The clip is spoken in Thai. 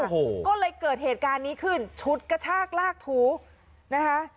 โอ้โหก็เลยเกิดเหตุการณ์นี้ขึ้นฉุดกระชากลากถูนะคะ